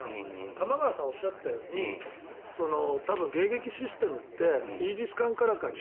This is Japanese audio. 玉川さんがおっしゃったように多分、迎撃システムってイージス艦からか地